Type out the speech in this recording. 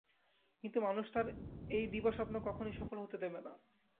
কিন্তু মানুষ তার এই দিবাস্বপ্ন কখনই সফল হতে দেবে না।